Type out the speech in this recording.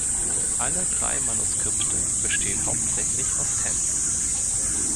Alle drei Manuskripte bestehen hauptsächlich aus Tänzen.